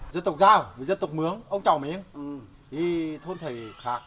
dân tộc giao và dân tộc mường ông cháu mình thì thôn thầy khác